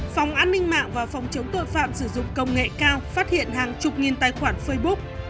phòng an ninh mạng và phòng chống tội phạm sử dụng công nghệ cao phát hiện hàng chục nghìn tài khoản facebook